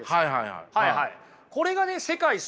はいはい。